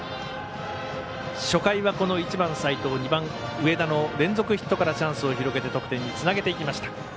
初回は１番の齋藤、２番の上田の連続ヒットからチャンスを広げて得点につなげていきました。